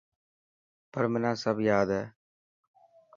پر منا سب ياد هي.